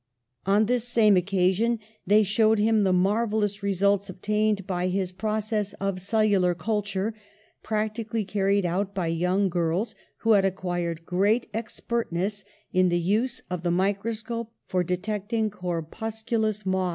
On this same occasion they showed him the marvellous re sults obtained by his process of cellular culture, practically carried out by young girls who had acquired great expertness in the use of the mi croscope for detecting corpusculous moths.